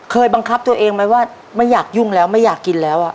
บังคับตัวเองไหมว่าไม่อยากยุ่งแล้วไม่อยากกินแล้ว